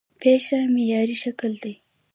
پښه معیاري شکل دی.